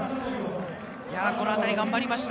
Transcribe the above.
この辺り、頑張りました。